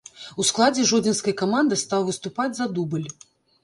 У складзе жодзінскай каманды стаў выступаць за дубль.